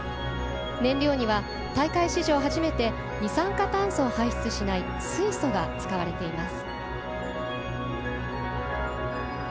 燃料には大会史上初めて二酸化炭素を排出しない水素が使われています。